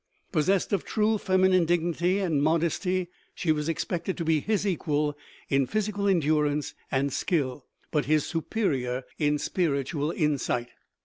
Possessed of true feminine dignity and modesty, she was expected to be his equal in physical endurance and skill, but his superior in spiritual insight.